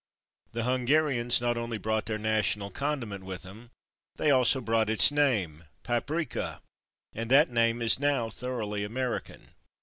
The Hungarians not only brought their national condiment with them; they also brought its name, /paprika/, and that name is now thoroughly American.